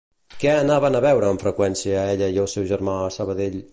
Què anaven a veure en freqüència ella i el seu germà a Sabadell?